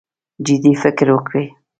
جدي فکر وکړي.